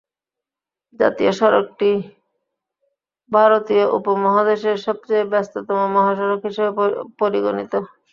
জাতীয় সড়কটি ভারতয় উপমহাদেশের সবচেয়ে ব্যস্ততম মহাসড়ক হিসেবে পরিগণিত।